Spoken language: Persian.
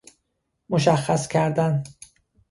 مشخص کردن